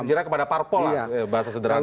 efek jerat kepada parpol lah bahasa sederhananya